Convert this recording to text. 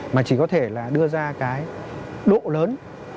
mà chỉ có thể là đưa ra cái độ lớn